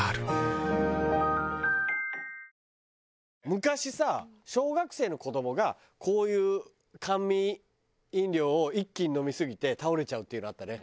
昔さ小学生の子どもがこういう甘味飲料を一気に飲みすぎて倒れちゃうっていうのあったね。